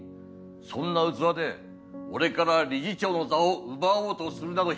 そんな器で俺から理事長の座を奪おうとするなど１００年早い！